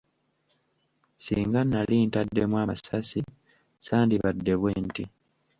Singa nali ntaddemu amasasi, sandibadde bwe nti.